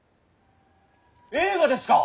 映画ですか！？